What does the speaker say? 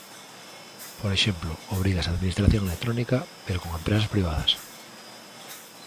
Por exemplo, obrígase á administración electrónica pero con empresas privadas.